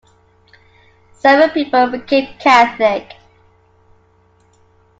Seven people became Catholic.